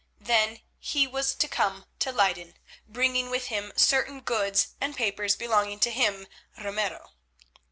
Then he was to come to Leyden, bringing with him certain goods and papers belonging to him, Ramiro.